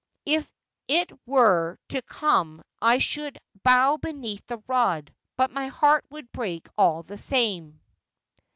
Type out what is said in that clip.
If it were to come I should bow beneath the rod ; but my heart would break all the same.'